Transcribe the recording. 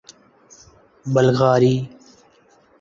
بلغاری